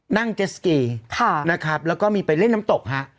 นั่งเจสกีนะครับแล้วก็มีไปเล่นน้ำตกฮะ